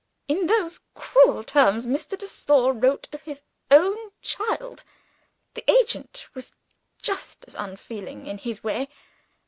In those cruel terms Mr. de Sor wrote of his own child. The agent was just as unfeeling, in his way.